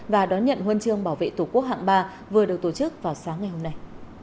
và đón nhận huân chương bảo vệ tổ quốc hạng ba vừa được tổ chức vào sáng ngày hôm nay